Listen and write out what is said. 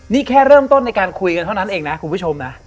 นี่แค่เริ่มต้นในการคุยกันเท่านั้นเองนะคุณผู้ชมนะ